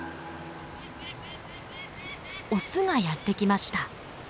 オスがやって来ました。